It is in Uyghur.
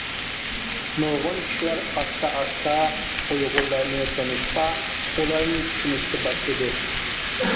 نۇرغۇن كىشىلەر ئاستا-ئاستا ئۇيغۇرلارنى تونۇشقا، ئۇلارنى چۈشىنىشكە باشلىدى.